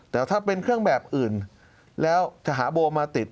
แต่ถ้าเป็นเครื่องแบบอื่นแล้วจะหาโบมาติด